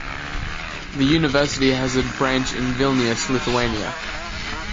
The University has a branch in Vilnius, Lithuania.